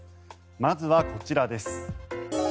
まずはこちらです。